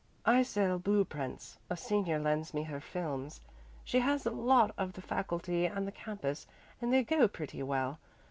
I sell blue prints. A senior lends me her films. She has a lot of the faculty and the campus, and they go pretty well.